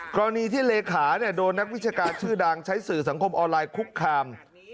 กรณีที่เลขาโดนนักวิชาการชื่อดังใช้สื่อสังคมออนไลน์คุกคาม